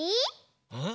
うん？